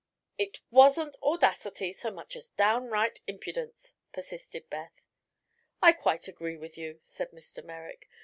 "It wasn't audacity so much as downright impudence!" persisted Beth. "I quite agree with you," said Mr. Merrick.